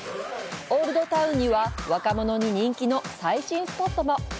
オールドタウンには、若者に人気の最新スポットも！